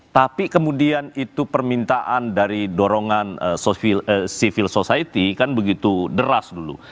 tapi kemudian itu permintaan dari dorongan civil society kan begitu deras dulu